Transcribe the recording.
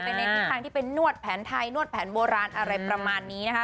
ในทิศทางที่เป็นนวดแผนไทยนวดแผนโบราณอะไรประมาณนี้นะคะ